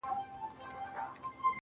ورځيني ليري گرځــم ليــري گــرځــــم,